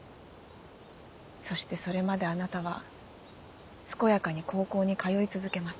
そしてそれまであなたは健やかに高校に通い続けます。